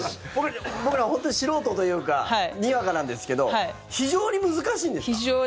僕ら本当に素人というかにわかなんですけど非常に難しいです。